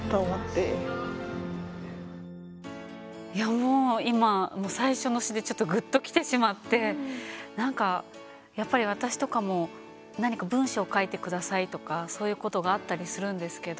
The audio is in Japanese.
もう今、最初の詩でちょっとぐっときてしまってなんか、やっぱり私とかも何か文章書いてくださいとかそういうことがあったりするんですけど。